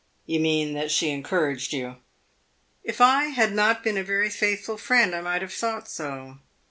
"You mean that she encouraged you?" "If I had not been a very faithful friend I might have thought so."